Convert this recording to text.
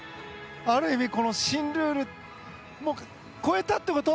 ある意味新ルール、超えたということ？